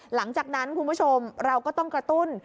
หลังจากนั้นคุณผู้ชมเราก็ต้องกระตุ้น